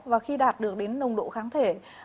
và khi đạt được đến nồng độ kháng thể